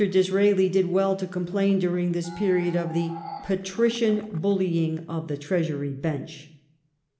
Disraeli did well to complain during this period of the ''patrician bullying of the Treasury bench.'